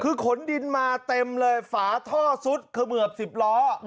คือขนดินมาเต็มเลยฝาท่อซุดเขมือบ๑๐ล้อ